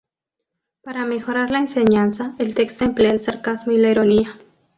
Para mejorar la enseñanza, el texto emplea el sarcasmo y la ironía.